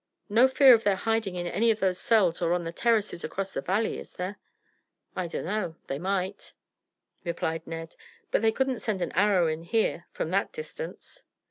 "No fear of their hiding in any of those cells or on the terraces across the valley, is there?" "I dunno; they might," replied Ned; "but they couldn't send an arrow in here from that distance."